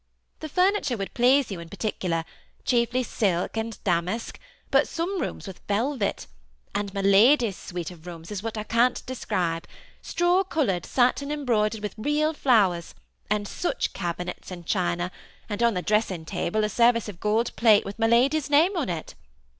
The furniture would please you in particular, chiefly silk and damask, but some rooms with velvet ; and my Lafiy's suite of rooms is what I can't describe, — straw colored satin, embroidered with real flowers, — and such cabinets and china, and on the dressing table a service of gold plate with my Lady's name on it.